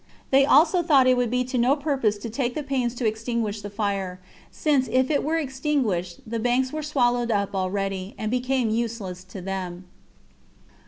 They also thought it would be to no purpose to take the pains to extinguish the fire, since if it were extinguished, the banks were swallowed up already [and become useless to them]. 5.